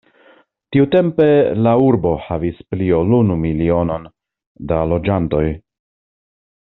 Tiutempe la urbo havis pli ol unu milionon da loĝantoj.